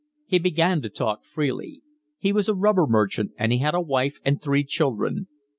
He began to talk freely. He was a rubber merchant, and he had a wife and three children.